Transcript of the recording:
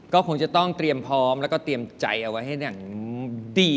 ก็คงจะต้องเตรียมพร้อมแล้วก็เตรียมใจเอาไว้ให้อย่างดี